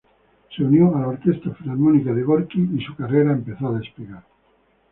Se unió a la Orquesta Filarmónica de Gorki y su carrera empezó a despegar.